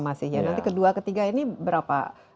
masih ya nanti kedua ketiga ini berapa